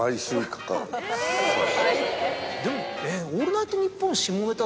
でも。